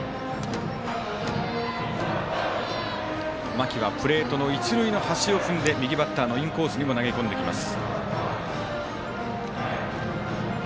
間木はプレートの一塁の端を踏んで右バッターのインコースにも投げ込んできます。